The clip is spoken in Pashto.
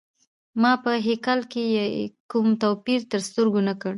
ما په هیکل کي یې کوم توپیر تر سترګو نه کړ.